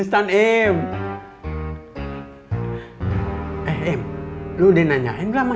kalau datang panen padanya